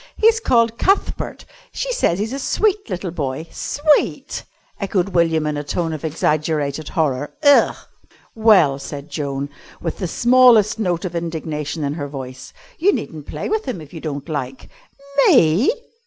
"He's called Cuthbert. She says he's a sweet little boy." "Sweet!" echoed William in a tone of exaggerated horror. "Ugh!" "Well," said Joan, with the smallest note of indignation in her voice, "you needn't play with him if you don't like." "_Me?